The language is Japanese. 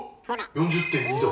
４０．２℃。